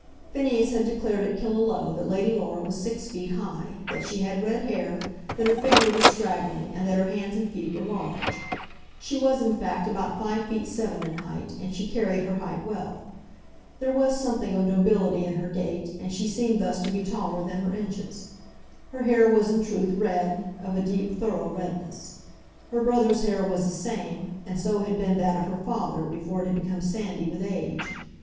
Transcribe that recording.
Phineas had declared at Killaloe that Lady Laura was six feet high, that she had red hair, that her figure was straggling, and that her hands and feet were large. She was in fact about five feet seven in height, and she carried her height well. There was something of nobility in her gait, and she seemed thus to be taller than her inches. Her hair was in truth red, of a deep thorough redness. Her brother's hair was the same; and so had been that of her father, before it had become sandy with age.